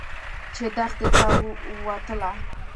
چې دښتې ته وتله.